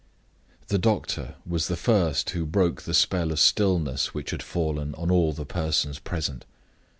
The doctor was the first who broke the spell of stillness which had fallen on all the persons present.